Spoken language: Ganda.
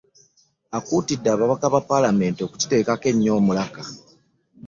Akuutidde ababaka ba ppaalamenti okukiteekako nnyo omulaka.